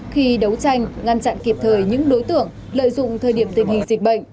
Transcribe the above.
khi đấu tranh ngăn chặn kịp thời những đối tượng lợi dụng thời điểm tình hình dịch bệnh